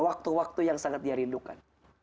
waktu waktu yang sangat dia rindukan